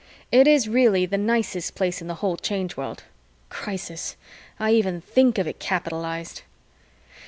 It is really the nicest Place in the whole Change World. (Crisis! I even think of it capitalized!)